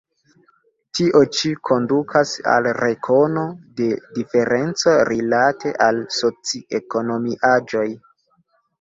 Tio ĉi kondukas al rekono de diferenco rilate al la soci-ekonomiaĵoj.